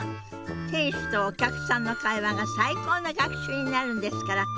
店主とお客さんの会話が最高の学習になるんですから。